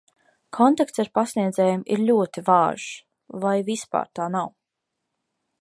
Kontakts ar pasniedzējiem ir ļoti vājš vai vispār tā nav.